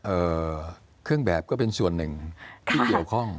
เครื่องแบบก็เป็นส่วนหนึ่งที่เกี่ยวข้อง